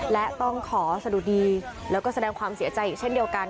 และต้องขอสะดุดีแล้วก็แสดงความเสียใจอีกเช่นเดียวกัน